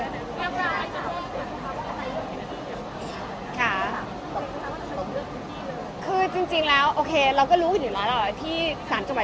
ด้วยค่ะคือจริงจริงแล้วโอเคเราก็รู้อยู่แล้วที่สารจังหวัด